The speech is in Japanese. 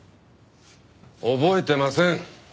覚えてません。